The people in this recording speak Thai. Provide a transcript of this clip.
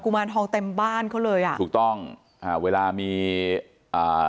มารทองเต็มบ้านเขาเลยอ่ะถูกต้องอ่าเวลามีอ่า